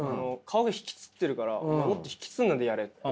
「顔が引きつってるからもっと引きつんないでやれ」って。